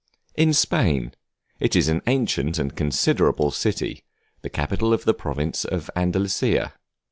In Spain; it is an ancient and considerable city, the capital of the province of Andalusia.